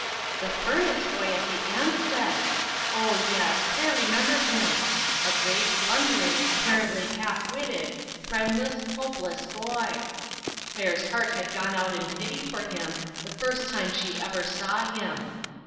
The furnace boy at the Ansteds ! Oh, yes, Claire remembered him, a great, blundering, apparently half witted, friendless, hopeless boy. Claire's heart had gone out in pity for him the first time she ever saw him.